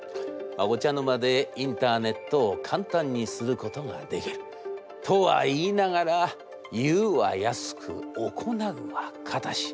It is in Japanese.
お茶の間でインターネットを簡単にすることができる。とは言いながら『言うは易く行うは難し』。